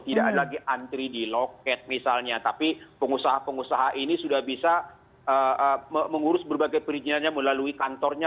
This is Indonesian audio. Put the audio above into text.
tidak ada lagi antri di loket misalnya tapi pengusaha pengusaha ini sudah bisa mengurus berbagai perizinannya melalui kantornya